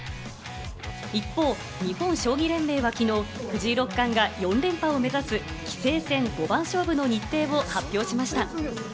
一方、日本将棋連盟は昨日、藤井六冠が４連覇を目指す棋聖戦五番勝負の日程を発表しました。